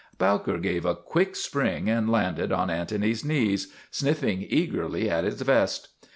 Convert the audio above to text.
Bowker gave a quick spring and landed on An tony's knees, sniffing eagerly at his vest.